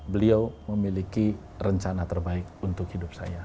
beliau memiliki rencana terbaik untuk hidup saya